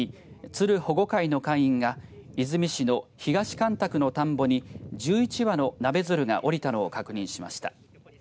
ツル保護会の会員が出水市の東干拓の田んぼに１１羽のナベヅルが降りたのを確認しました。